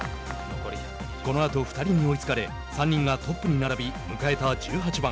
このあと２人に追いつかれ３人がトップに並び迎えた１８番。